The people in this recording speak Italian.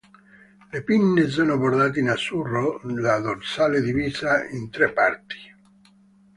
Le pinne sono bordate in azzurro, la dorsale divisa in tre parti.